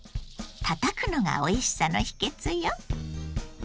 たたくのがおいしさの秘訣よ。